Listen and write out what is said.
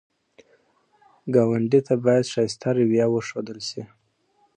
ګاونډي ته باید ښایسته رویه وښودل شي